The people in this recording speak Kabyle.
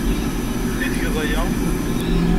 I tgeḍ aya?